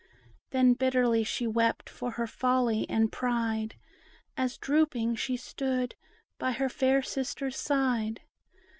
Then bitterly she wept for her folly and pride, As drooping she stood by her fair sister's side.